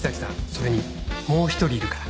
それにもう一人いるから。